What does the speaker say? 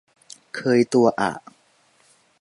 เคยตัวอะ